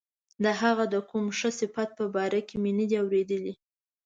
د هغه د کوم ښه صفت په باره کې مې نه دي اوریدلي.